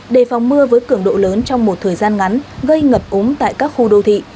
đề phòng mưa với cường độ lớn trong một thời gian ngắn gây ngập úng tại các khu đô thị